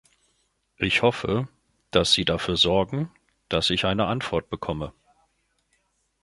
Ich hoffe, dass Sie dafür sorgen, dass ich eine Antwort bekomme.